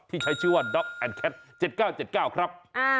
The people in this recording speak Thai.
ใช้ชื่อว่าด๊อกแอนแคท๗๙๗๙ครับ